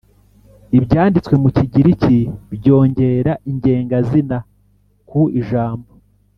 Ibyanditswe mu Kigiriki byongera ingengazina ku ijambo